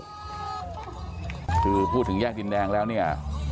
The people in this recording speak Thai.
คือพูดถึงแยกดินแดงแล้วเนี่ย